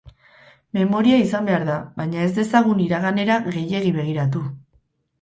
Memoria izan behar da, baina ez dezagun iraganera gehiegi begiratu.